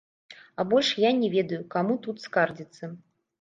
А больш я не ведаю, каму тут скардзіцца.